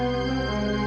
jadi kamu bangun